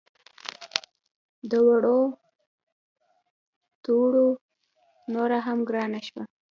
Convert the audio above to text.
د وړو تروړه نوره هم ګرانه شوه